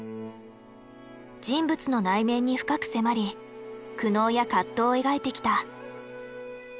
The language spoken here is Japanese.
人物の内面に深く迫り苦悩や葛藤を描いてきた。